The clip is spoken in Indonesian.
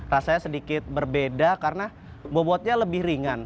rasanya sedikit berbeda karena bobotnya lebih ringan